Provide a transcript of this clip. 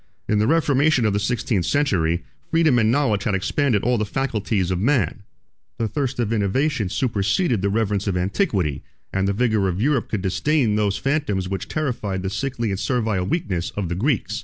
In the reformation of the sixteenth century, freedom and knowledge had expanded all the faculties of man: the thirst of innovation superseded the reverence of antiquity; and the vigor of Europe could disdain those phantoms which terrified the sickly and servile weakness of the Greeks.